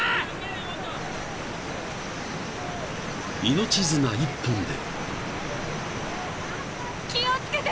［命綱一本で］